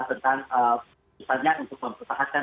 tentang pasukannya untuk memperbahaskan